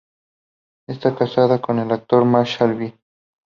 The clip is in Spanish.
Está casada con el actor Marshall Bell.